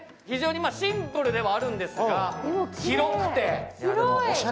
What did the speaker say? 非常にシンプルではあるんですが、広くて。